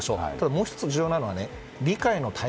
もう１つ重要なのは理解。